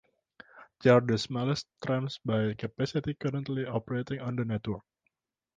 They are the smallest trams by capacity currently operating on the network.